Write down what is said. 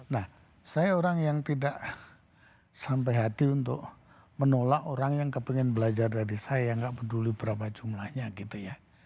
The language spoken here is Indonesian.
nah saya orang yang tidak sampai hati untuk menolak orang yang kepengen belajar dari saya nggak peduli berapa jumlahnya gitu ya